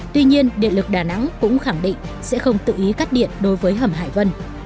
tuy nhiên điện lực đà nẵng cũng khẳng định sẽ không tự ý cắt điện đối với hầm hải vân